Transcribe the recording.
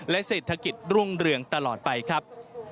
เศรษฐกิจรุ่งเรืองตลอดไปครับ